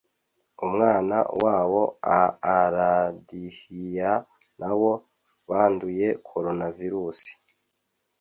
umwana wabo aaradhya nabo banduye coronavirus